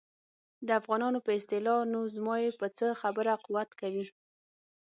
د افغانانو په اصطلاح نو زما یې په څه خبره قوت کوي.